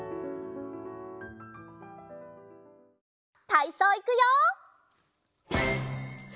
たいそういくよ！